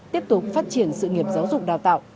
tiếp tục phát triển sự nghiệp giáo dục đào tạo